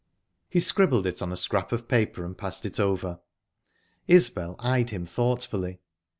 He scribbled it on a scrap of paper, and passed it over. Isbel eyed him thoughtfully.